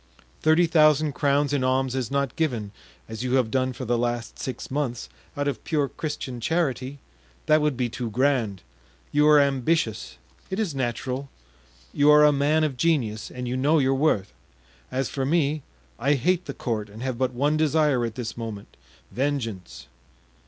Thirty thousand crowns in alms is not given, as you have done for the last six months, out of pure Christian charity; that would be too grand. You are ambitious—it is natural; you are a man of genius and you know your worth. As for me, I hate the court and have but one desire at this moment—vengeance.